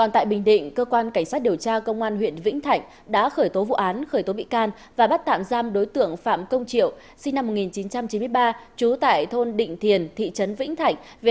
hãy đăng ký kênh để ủng hộ kênh của chúng mình nhé